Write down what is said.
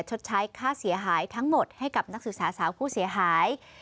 ชดใช้ค่าเสียหายทั้งหมดให้กับนักศึกษาสาวผู้เสียหาย